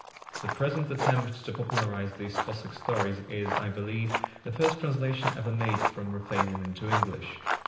The present attempt to popularize these Cossack stories is, I believe, the first translation ever made from Ruthenian into English.